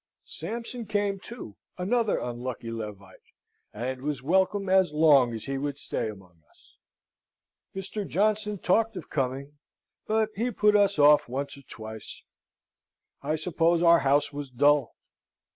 Sampson came too, another unlucky Levite, and was welcome as long as he would stay among us. Mr. Johnson talked of coming, but he put us off once or twice. I suppose our house was dull.